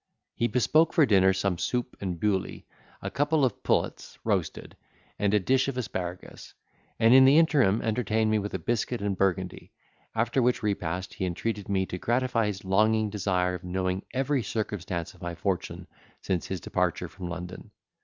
He bespoke for dinner some soup and bouilli, a couple of pullets roasted, and a dish of asparagus, and in the interim entertained me with biscuit and Burgundy, after which repast he entreated me to gratify his longing desire of knowing every circumstance of my fortune since his departure from London.